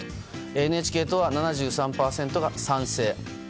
ＮＨＫ党は７３％が賛成。